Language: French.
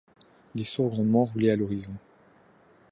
De sourds grondements roulaient à l’horizon.